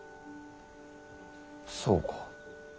そうか。